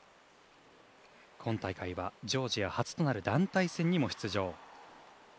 今大会は、ジョージア初となる団体戦にも出場。